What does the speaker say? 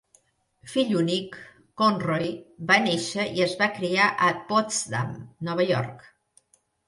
Fill únic, Conroy va néixer i es va criar a Potsdam, Nova York.